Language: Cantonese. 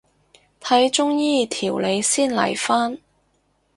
睇中醫調理先嚟返